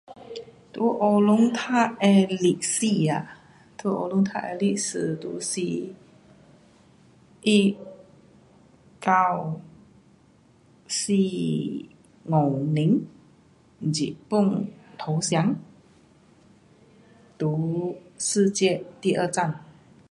在学堂读的历史啊，在学堂读的历史就是一九四五年日本投降在世界第二战。